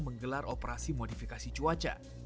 menggelar operasi modifikasi cuaca